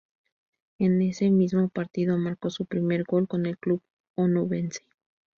En ese mismo partido marcó su primer gol con el club onubense.